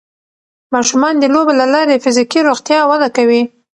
ماشومان د لوبو له لارې د فزیکي روغتیا وده کوي.